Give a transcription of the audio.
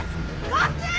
こっち！」